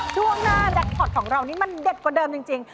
ช่วงหน้าแจ็คพอร์ตของเรานี่มันเด็ดกว่าเดิมจริง